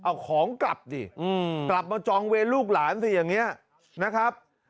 เอาของกลับนี่มาจองเวลูกหลานสิอย่างนี้นะคะ